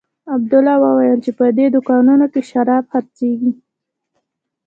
عبدالله وويل چې په دې دوکانو کښې شراب خرڅېږي.